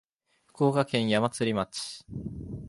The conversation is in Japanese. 福島県矢祭町